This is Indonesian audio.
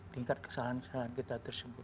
tingkat kesalahan kesalahan kita tersebut